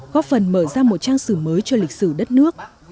góp phần mở ra một trang sử mới cho lịch sử đất nước